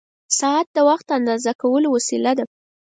ساعت د وخت اندازه کولو وسیله ده.